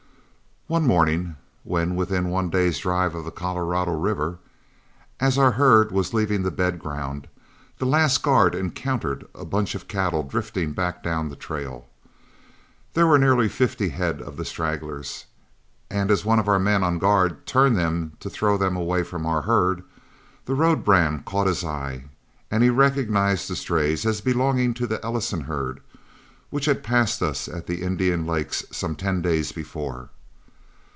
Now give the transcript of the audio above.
One morning when within one day's drive of the Colorado River, as our herd was leaving the bed ground, the last guard encountered a bunch of cattle drifting back down the trail. There were nearly fifty head of the stragglers; and as one of our men on guard turned them to throw them away from our herd, the road brand caught his eye, and he recognized the strays as belonging to the Ellison herd which had passed us at the Indian Lakes some ten days before.